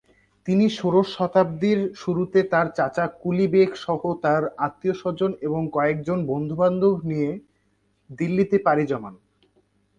তিনি ষোড়শ শতাব্দীর শুরুতে তাঁর চাচা কুলি বেগ সহ তাঁর আত্মীয়স্বজন এবং কয়েকজন বন্ধুবান্ধব নিয়ে দিল্লিতে পাড়ি জমান।